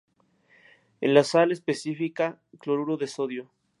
Es la sal específica cloruro de sodio.